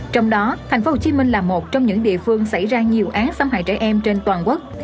trong đó tp hcm là một trong những địa phương xảy ra nhiều án xâm hại trẻ em trên toàn quốc